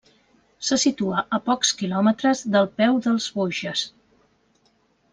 Se situa a pocs quilòmetres del peu dels Vosges.